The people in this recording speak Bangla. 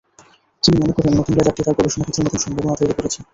তিনি মনে করেন, নতুন লেজারটি তাঁর গবেষণা ক্ষেত্রে নতুন সম্ভাবনা তৈরি করেছে।